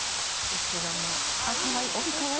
◆後ろも。